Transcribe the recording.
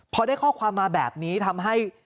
พอได้ข้อความมาแบบนี้ทำให้